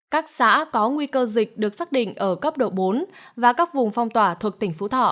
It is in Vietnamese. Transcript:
các xã có nguy cơ dịch được xác định ở cấp độ bốn và các vùng phong tỏa thuộc tỉnh phú thọ